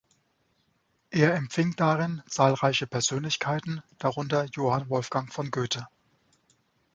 Er empfing darin zahlreiche Persönlichkeiten, darunter Johann Wolfgang von Goethe.